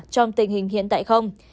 trong tình hình hiện tại không